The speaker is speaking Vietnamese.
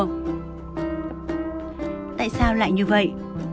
tại sao lại như vậy